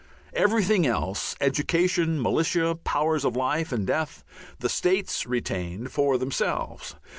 Everything else education, militia, powers of life and death the states retained for themselves.